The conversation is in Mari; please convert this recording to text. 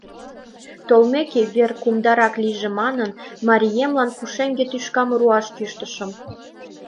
Толмеке, вер кумдарак лийже манын, мариемлан пушеҥге тӱшкам руаш кӱштышым.